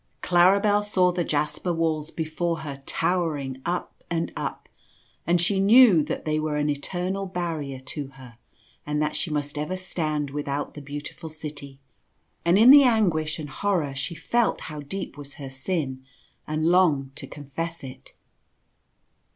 Claribel saw the jasper walls before her towering up and up, and she knew that they were an eternal barrier to her, and that she must ever stand without the Beau tiful City ; and in the anguish and horror she felt how deep was her sin, and longed to confess it.